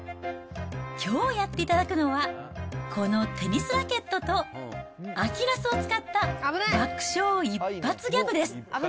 きょうやっていただくのは、このテニスラケットと、秋ナスを使った爆笑一発ギャグです。